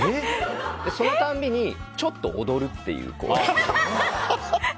その度にちょっと踊るっていう。